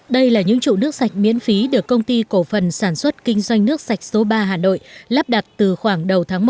đây là những trụ nước sạch miễn phí được công ty cổ phần sản xuất kinh doanh nước sạch số ba hà nội lắp đặt từ khoảng đầu tháng một